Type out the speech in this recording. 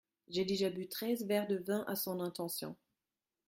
J’ai déjà bu treize verres de vin à son intention.